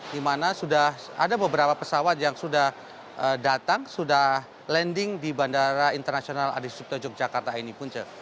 di mana sudah ada beberapa pesawat yang sudah datang sudah landing di bandara internasional adi sucipto yogyakarta ini punca